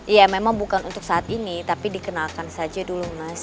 ya memang bukan untuk saat ini tapi dikenalkan saja dulu mas